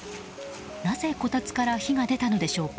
なぜ、こたつから火が出たのでしょうか。